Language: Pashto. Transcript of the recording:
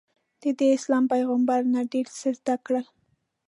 ده داسلام پیغمبر نه ډېر څه زده کړل.